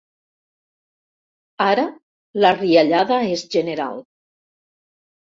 Ara la riallada és general.